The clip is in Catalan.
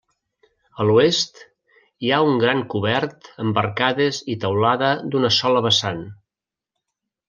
A l'oest, hi ha un gran cobert amb arcades i teulada d'una sola vessant.